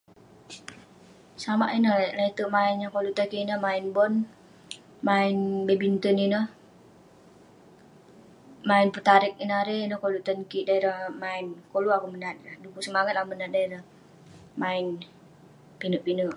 samak ineh le'terk main yah koluk tan kik ineh, main bon, main badminton ineh, main petarek ineh erei, ineh koluk tan kik dan ireh main. Koluk akouk menat ireh du'kuk semangat akouk menat dan ireh main pinek pinek